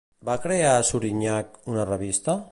Va crear Surinyach una revista?